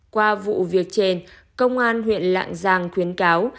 qua vụ việc trên công an huyện lạng giang khuyến cáo